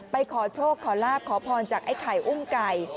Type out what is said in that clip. ขอโชคขอลาบขอพรจากไอ้ไข่อุ้มไก่